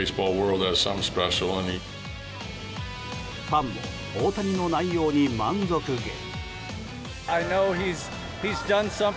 ファンも大谷の内容に満足げ。